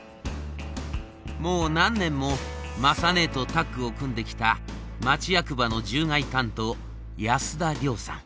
もう何年も雅ねえとタッグを組んできた町役場の獣害担当安田亮さん。